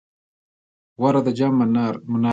غور د جام منار لري